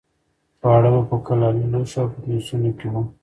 خواړه به په کلالي لوښو او پتنوسونو کې وو.